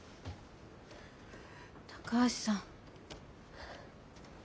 高橋さん。